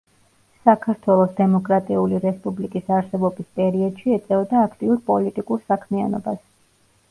საქართველოს დემოკრატიული რესპუბლიკის არსებობის პერიოდში ეწეოდა აქტიურ პოლიტიკურ საქმიანობას.